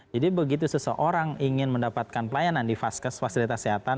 jadi begitu seseorang ingin mendapatkan pelayanan di faskes fasilitas sehatan